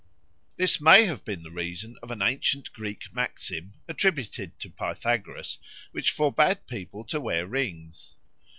This may have been the reason of an ancient Greek maxim, attributed to Pythagoras, which forbade people to wear rings.